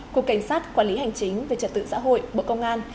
cục cảnh sát quản lý hành chính về trật tự xã hội bộ công an